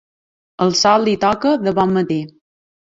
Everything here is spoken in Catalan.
El sol hi toca de bon matí.